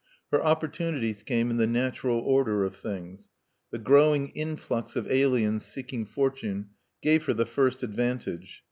Her opportunities came in the natural order of things. The growing influx of aliens seeking fortune gave her the first advantage.